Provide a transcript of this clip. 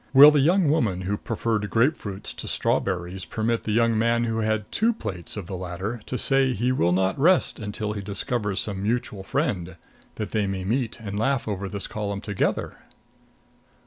Will the young woman who preferred grapefruit to strawberries permit the young man who had two plates of the latter to say he will not rest until he discovers some mutual friend, that they may meet and laugh over this column together?